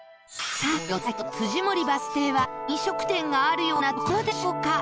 さあ、４つ先の辻森バス停は飲食店があるような所でしょうか？